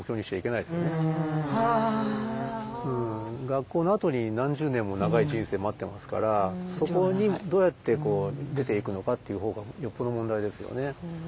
学校のあとに何十年も長い人生待ってますからそこにどうやって出ていくのかっていうほうがよっぽど問題ですよね。